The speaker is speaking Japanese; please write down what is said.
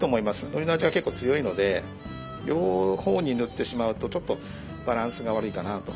のりの味が結構強いので両方に塗ってしまうとちょっとバランスが悪いかなと。